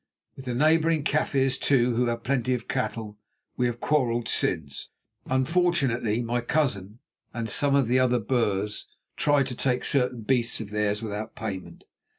With the neighbouring Kaffirs, too, who have plenty of cattle, we have quarrelled since, unfortunately, my cousin and some of the other Boers tried to take certain beasts of theirs without payment.